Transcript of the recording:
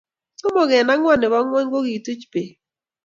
somok eng angwan nebo ngony kokituch bek.